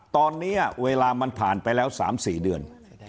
ตอนนี้เวลามันผ่านไปแล้ว๓๔เดือน